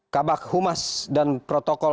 kabak humas dan protokol